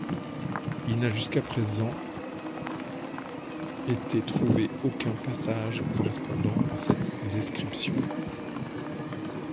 Il n'a jusqu'à présent été trouvé aucun passage correspondant à cette description.